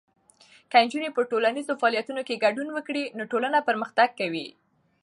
که نجونې په ټولنیزو فعالیتونو کې ګډون وکړي، نو ټولنه پرمختګ کوي.